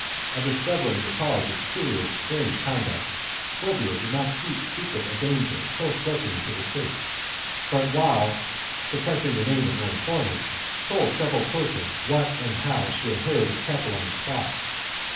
On discovering the cause of Curius' strange conduct, Fulvia did not keep secret a danger so threatening to the state, but, while THE CONSPIRACY OF CATILINE, 21 suppressing the name of her informant, told several J^Jfn persons what, and how, she had heard of Catiline's plot.